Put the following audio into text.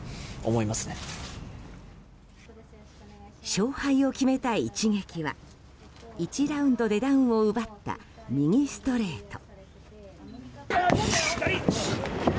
勝敗を決めた一撃は１ラウンドでダウンを奪った右ストレート。